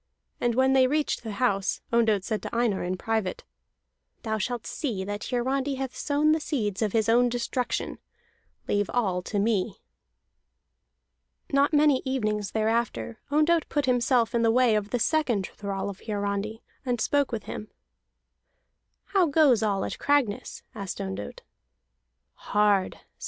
And when they reached the house, Ondott said to Einar in private: "Thou shalt see that Hiarandi hath sown the seeds of his own destruction. Leave all to me." Not many evenings thereafter, Ondott put himself in the way of the second thrall of Hiarandi, and spoke with him. "How goes all at Cragness?" asked Ondott.